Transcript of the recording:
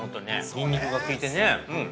ニンニクがきいてね、うん。